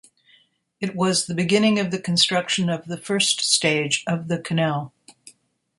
It was the beginning of the construction of the first stage of the canal.